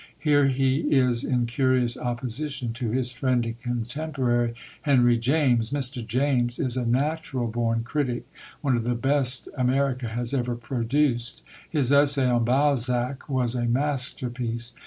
Here he is in curious opposition to his friend and contemporary, Henry James. Mr. James is a natural born critic, one of the best America has ever produced. His essay on Balzac was a masterpiece.